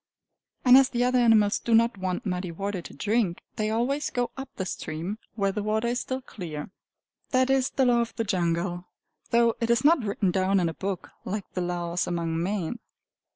And as the other animals do not want muddy water to drink, they always go up the stream, where the water is still clear. That is The Law of the Jungle, though it is not written down in a book, like the laws among men.